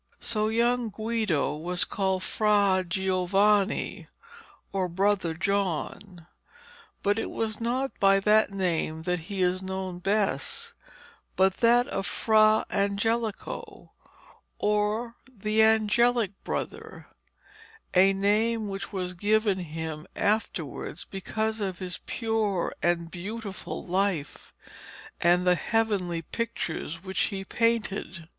So young Guido was called Fra Giovanni, or Brother John. But it is not by that name that he is known best, but that of Fra Angelico, or the angelic brother a name which was given him afterwards because of his pure and beautiful life, and the heavenly pictures which he painted.